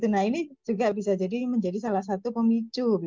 nah ini juga bisa jadi menjadi salah satu pemicu